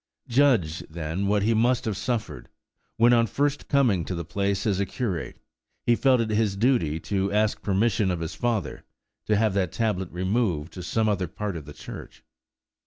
Judge, then, what he must have suffered, when, on his first coming to the place as curate, he felt it his duty to ask permission of his father to have that tablet removed to some other part of the church!